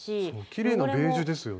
きれいなベージュですよね。